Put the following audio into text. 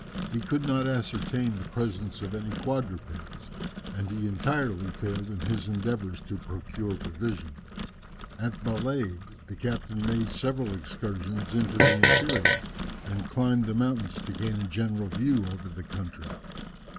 He could not ascertain the presence of any quadrupeds, and he entirely failed in his endeavours to procure provisions. At Balade the captain made several excursions into the interior, and climbed the mountains to gain a general view over the country.